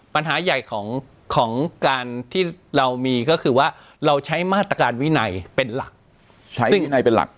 ปัญหาใหญ่ของการที่เรามีก็คือว่าเราใช้มาตรการวินัยเป็นหลักใช้วินัยเป็นหลัก